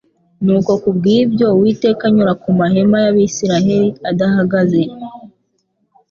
Nuko kubw'ibyo, Uwiteka anyura ku mahema y'abisiraeli adahagaze,